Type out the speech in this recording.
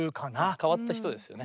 変わった人ですよね。